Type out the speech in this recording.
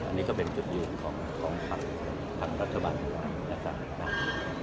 อันนี้ก็เป็นจุดยืนของทางรัฐบาลนะครับ